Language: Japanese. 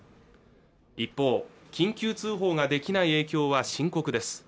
一方緊急通報ができない影響は深刻です